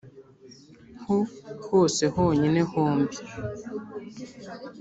ho hose honyine hombi -